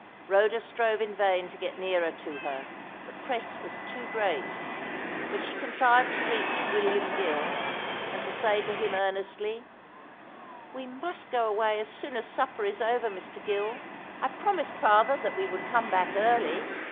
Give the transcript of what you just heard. Rhoda strove in vain to get nearer to her; the press was too great. But she contrived to reach William Gill, and to say to him earnestly "We must go away as soon as supper is over, Mr. Gill. I promised father that we would come back early."